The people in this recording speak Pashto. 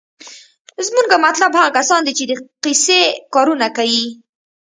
زمونګه مطلوب هغه کسان دي چې دقسې کارونه کيي.